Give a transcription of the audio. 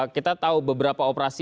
kita tahu beberapa operasi